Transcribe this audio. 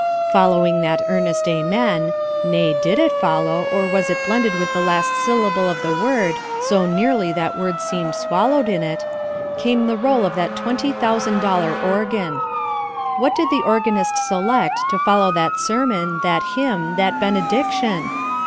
Following that earnest amen nay, did it follow, or was it blended with the last syllable of that word, so nearly that word seemed swallowed in it came the roll of that twenty thousand dollar organ. What did the organist select to follow that sermon, that hymn, that benediction?